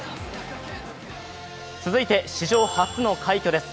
続いて史上初の快挙です。